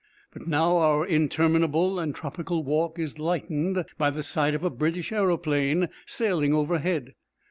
But now our interminable and tropical walk is lightened by the sight of a British aeroplane sailing overhead.